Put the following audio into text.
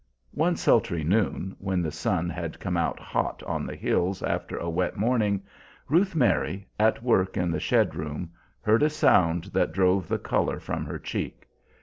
One sultry noon, when the sun had come out hot on the hills after a wet morning, Ruth Mary, at work in the shed room, heard a sound that drove the color from her cheek.